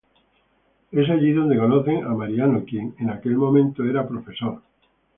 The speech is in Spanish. Es allí adonde conocen a Mariano, quien por ese momento era profesor.